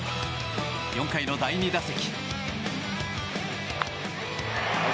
４回の第２打席。